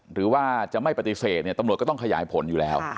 หรือว่าจะไม่ปฏิเสธนี่หรือตรงเดี๊ยวก็ต้องขยายผลด้วยแล้ว